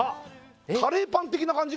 カレーパン的な感じ？